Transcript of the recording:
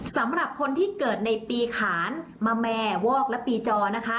สำหรับคนที่เกิดในปีขานมะแม่วอกและปีจอนะคะ